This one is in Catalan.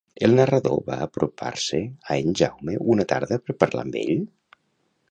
El narrador va apropar-se a en Jaume una tarda per parlar amb ell?